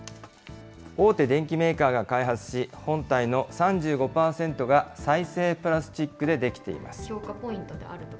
大手電機メーカーが開発し、本体の３５％が再生プラスチックで出来ています。